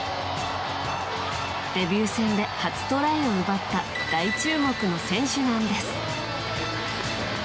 デビュー戦で初トライを奪った大注目の選手なんです。